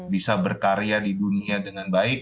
bisa berkarya di dunia dengan baik